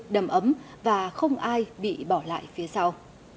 đầm ấm và không ai bị bỏ lại phía sau